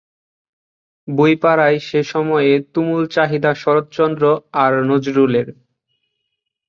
বইপাড়ায় সে সময়ে তুমুল চাহিদা শরৎচন্দ্র আর নজরুলের।